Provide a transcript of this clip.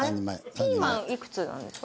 ピーマンいくつなんですか？